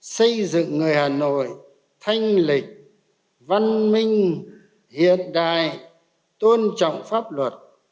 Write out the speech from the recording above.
xây dựng người hà nội thanh lịch văn minh hiện đại tôn trọng pháp luật